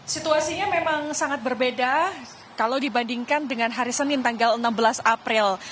situasinya memang sangat berbeda kalau dibandingkan dengan hari senin tanggal enam belas april